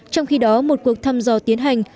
trong khi đó một cuộc thăm dò tiến hành